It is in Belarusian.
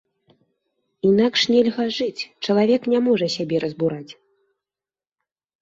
Інакш нельга жыць, чалавек не можа сябе разбураць.